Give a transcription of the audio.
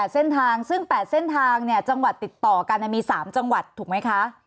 เส้นทางซึ่ง๘เส้นทางจังหวัดติดต่อกันมี๓จังหวัดถูกไหมคะ